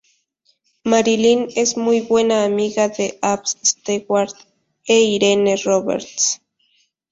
Marilyn es muy buena amiga de Alf Stewart e Irene Roberts.